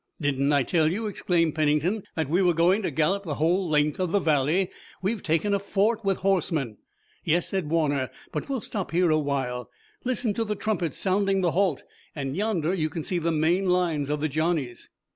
"Didn't I tell you," exclaimed Pennington, "that we were going to gallop the whole length of the valley! We've taken a fort with horsemen!" "Yes," said Warner, "but we'll stop here a while. Listen to the trumpets sounding the halt, and yonder you can see the main lines of the Johnnies."